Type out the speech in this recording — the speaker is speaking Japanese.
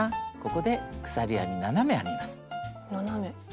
ここで鎖編み７目編みます。